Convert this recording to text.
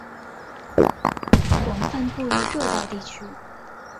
广泛布于热带地区。